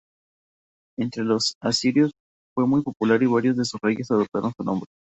Entre los asirios fue muy popular y varios de sus reyes adoptaron su nombre.